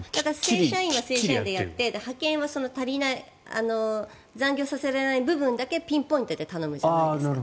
正社員は正社員でやって派遣は残業させられない部分だけピンポイントで頼むじゃないですか。